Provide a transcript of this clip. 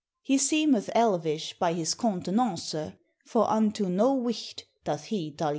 He semeth elvish by his contenance, For unto no wight doth he daliance.